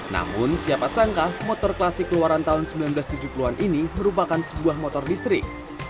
namun siapa sangka motor klasik keluaran tahun seribu sembilan ratus tujuh puluh an ini merupakan sebuah motor listrik